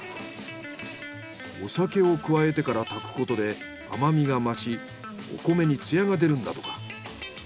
お酒を加えてから炊くことで甘みが増しお米につやが出るんだとか。